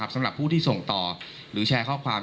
สำหรับผู้ที่ส่งต่อหรือแชร์ข้อความ